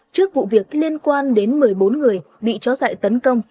trước vụ việc liên quan đến một mươi bốn người bị chó dại tấn công